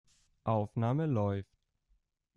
Aufnahme läuft.